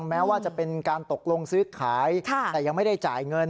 แม้ว่าจะเป็นการตกลงซื้อขายแต่ยังไม่ได้จ่ายเงิน